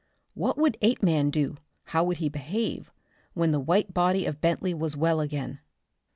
What would Apeman do, how would he behave, when the white body of Bentley was well again?